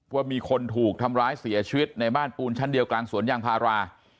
ว่ามีคนถูกทำร้ายเสียชีวิตในบ้านปูนชั้นเดียวกลางสวนยางพารา